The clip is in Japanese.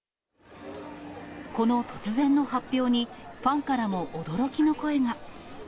この突然の発表に、ファンからも驚きの声が。